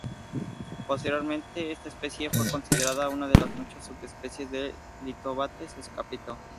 Posteriormente esta especie fue considerada una de las muchas subespecies de "Lithobates capito".